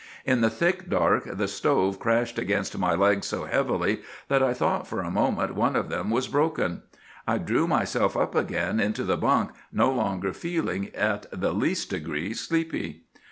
In the thick dark the stove crashed against my legs so heavily that I thought for a moment one of them was broken. I drew myself up again into the bunk, no longer feeling in the least degree sleepy.